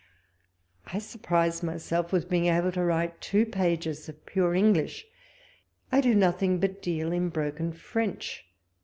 I surprise myselt with being able to write two pages of pure English ; I do nothing but deal in broken French.